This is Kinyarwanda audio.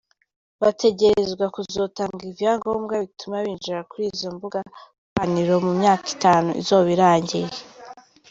Bategerezwa kuzotanga ivyangombwa bituma binjira kuri izo mbuga hwaniro, mu myaka itanu izoba irangiye.